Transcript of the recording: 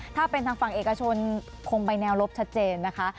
ถ้าเป็นทางฝั่งเอกชนคงไปแนวลบชัดเจนนะคะ